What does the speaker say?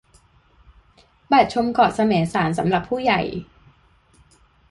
บัตรชมเกาะแสมสารสำหรับผู้ใหญ่